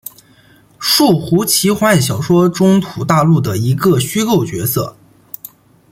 树胡奇幻小说中土大陆的一个虚构角色。